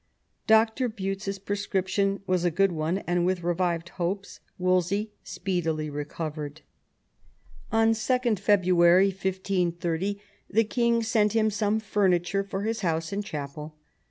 Doctor Buttes's prescription was a good one, and with revived hopes Wolsey speedily recovered. On 2d February 1530 the king sent him some furniture for his house and chapel.